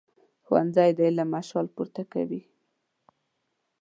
ښوونځی د علم مشال پورته کوي